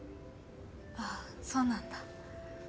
ああそうなんだ。